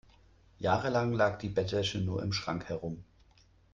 Jahrelang lag die Bettwäsche nur im Schrank herum.